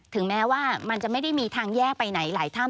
ถึงแม้ว่ามันจะไม่ได้มีทางแยกไปไหนหลายถ้ำ